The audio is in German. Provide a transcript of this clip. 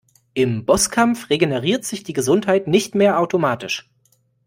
Im Bosskampf regeneriert sich die Gesundheit nicht mehr automatisch.